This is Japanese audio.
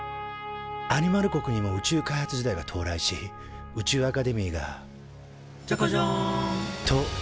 アニマル国にも宇宙開発時代が到来し宇宙アカデミーが「じゃかじゃん！」と誕生。